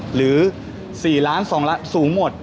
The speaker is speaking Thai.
หรือ๔ล้าน๒ล้านสูงหมด